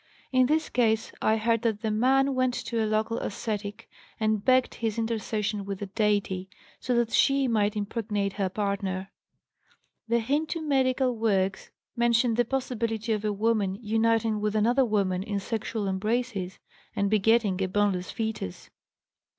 In this case I heard that 'the man' went to a local ascetic and begged his intercession with the deity, so that she might impregnate her partner. ('The Hindoo medical works mention the possibility of a woman uniting with another woman in sexual embraces and begetting a boneless fetus.'